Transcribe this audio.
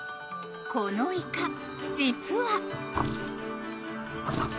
このイカ実は！